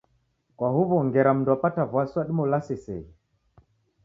Kwahuwo ngera mndu wapata wasi wadima ulase iseghe